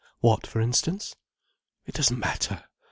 "What, for instance?" "It doesn't matter.